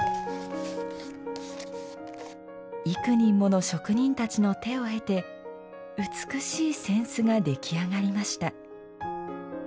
幾人もの職人たちの手を経て美しい扇子ができあがりました。